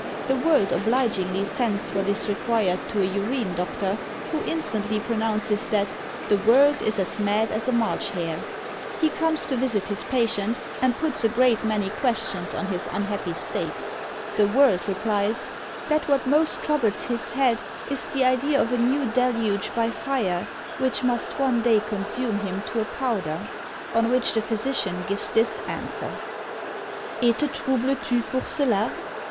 The World obligingly sends what is required to a Urine doctor, who instantly pronounces that "the World is as mad as a March hare!" He comes to visit his patient, and puts a great many questions on his unhappy state. The World replies, "that what most troubles his head is the idea of a new deluge by fire, which must one day consume him to a powder;" on which the physician gives this answer: Et te troubles tu pour cela?